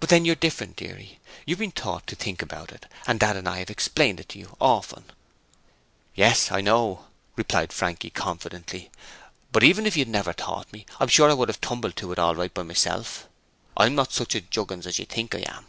'But then you're different, dearie, you've been taught to think about it, and Dad and I have explained it to you, often.' 'Yes, I know,' replied Frankie confidently. 'But even if you'd never taught me, I'm sure I should have tumbled to it all right by myself; I'm not such a juggins as you think I am.'